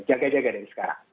jaga jaga dari sekarang